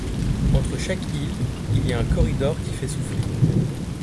Entre chaque île, il y a un corridor qui fait soufflet.